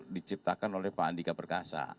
diciptakan oleh pak andika perkasa